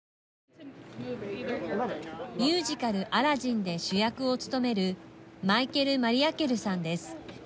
ミュージカル「アラジン」で主役を務めるマイケル・マリアケルさんです。